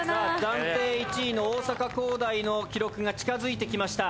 暫定１位の大阪工大の記録が近づいてきました。